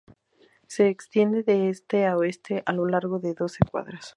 Se extiende de este a oeste a lo largo de doce cuadras.